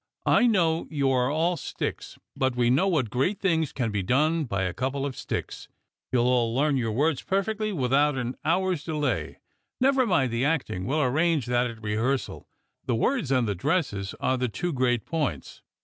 I know you are all sticks ; but we know what great things can be done by a bundle of sticks. Yoa'U all learn your words perfectly without an hour's delay. Never mind the acting. We'll arrange that at rehearsal. The words and the dresses are the two great points.